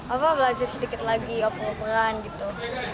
apa belajar sedikit lagi operan gitu